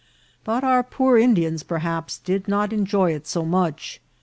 But our poor Indians, perhaps, did not enjoy it so much.